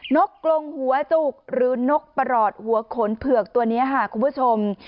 นกกลงหัวจุกหรือนกประหลอดหัวขนเผือกตัวนี้ค่ะคุณผู้ชม